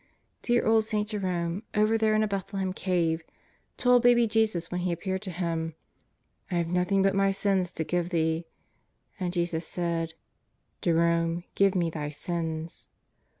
Dear old St. Jerome over there in a Bethlehem Cave told Baby Jesus when He appeared to him: "I have nothing but my sins to give Thee." And Jesus said: "Jerome, give Me thy sins."